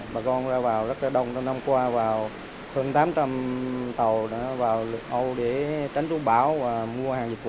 bà con ra vào rất là đông năm qua vào hơn tám trăm linh tàu vào lượt ô để tránh trú bão và mua hàng dịch vụ